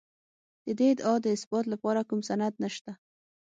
د دې ادعا د اثبات لپاره کوم سند نشته.